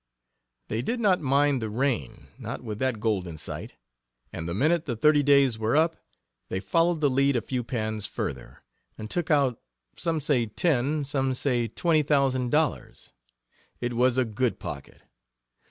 They did not mind the rain not with that gold in sight and the minute the thirty days were up they followed the lead a few pans further, and took out some say ten, some say twenty, thousand dollars. It was a good pocket.